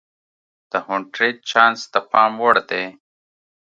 د هونټریج چانس د پام وړ دی.